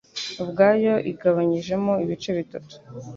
ubwayo igabanyijemo ibice bitatu